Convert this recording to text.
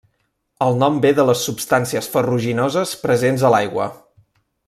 El nom ve de les substàncies ferruginoses presents a l'aigua.